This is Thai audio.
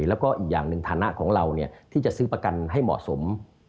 แล้วก็อีกอย่างหนึ่งฐานะของเราที่จะซื้อประกันให้เหมาะสม